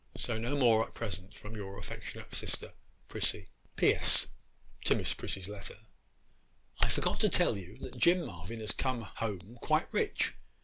So no more at present from your affectionate sister 'PRISSY. 'P.S. (to Miss Prissy's letter).—I forgot to tell you that Jim Marvyn has come home quite rich.